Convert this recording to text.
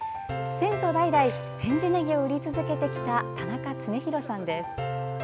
先祖代々、千住ねぎを売り続けてきた田中庸浩さんです。